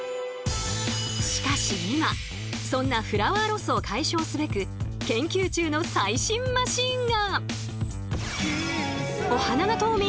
しかし今そんなフラワーロスを解消すべく研究中の最新マシンが。